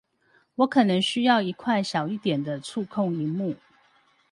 我可能需要一塊小一點的觸控螢幕